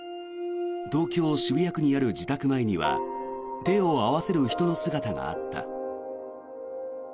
東京・渋谷区にある自宅前には手を合わせる人の姿があった。